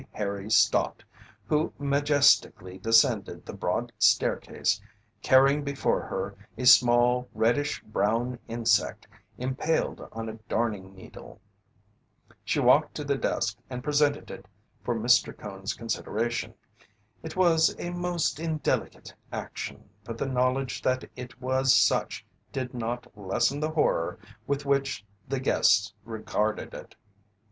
Harry Stott, who majestically descended the broad staircase carrying before her a small reddish brown insect impaled on a darning needle. She walked to the desk and presented it for Mr. Cone's consideration. It was a most indelicate action, but the knowledge that it was such did not lessen the horror with which the guests regarded it.